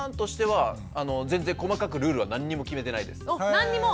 あ何にも？